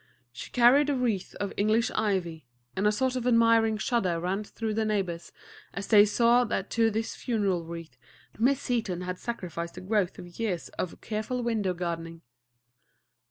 She carried a wreath of English ivy, and a sort of admiring shudder ran through the neighbors as they saw that to this funeral wreath Miss Seaton had sacrificed the growth of years of careful window gardening.